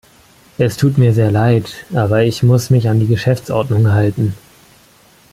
Es tut mir sehr leid, aber ich muss mich an die Geschäftsordnung halten.